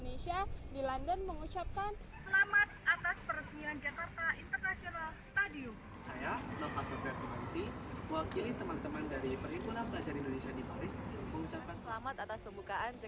nah indonesia juga latala lho